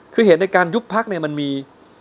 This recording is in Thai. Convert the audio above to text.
คือเหตุในการยุบพักเนี่ยมันมี